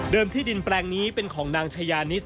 ที่ดินแปลงนี้เป็นของนางชายานิส